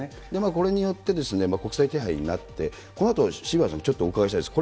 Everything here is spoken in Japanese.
これによって国際手配になって、このあと渋谷さんにちょっとお伺いしたいです。